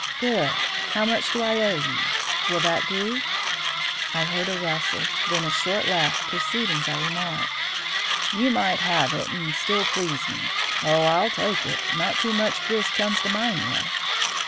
"Good! How much do I owe you? Will that do?" I heard a rustle, then a short laugh preceding the remark, "You might halve it and still please me. Oh, I'll take it. Not too much grist comes to my mill."